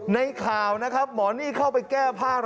ในข่าวนะครับหมอนี่เข้าไปแก้ผ้า